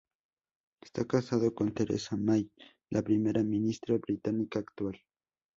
Está casado con Theresa May, la Primera Ministra británica actual.